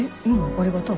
ありがとう。